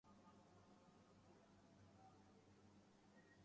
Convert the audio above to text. سوال یہ اٹھتا کہ کشمیر کے مسئلے کا حل کیا اور اس کا فیصلہ کرنے کا مجاز کون ہے؟